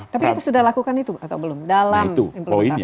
tapi itu sudah dilakukan itu atau belum dalam implementasinya